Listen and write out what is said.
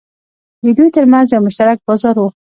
د دوی ترمنځ یو مشترک بازار و.